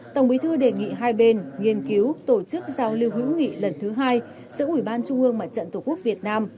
tổng bí thư đề nghị hai bên nghiên cứu tổ chức giao lưu hữu nghị lần thứ hai giữa ủy ban trung ương mặt trận tổ quốc việt nam